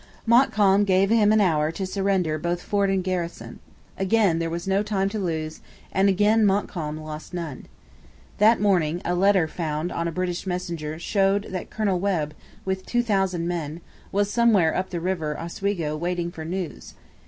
Montcalm gave him an hour to surrender both fort and garrison. Again there was no time to lose, and again Montcalm lost none. That morning a letter found on a British messenger showed that Colonel Webb, with 2,000 men, was somewhere up the river Oswego waiting for news.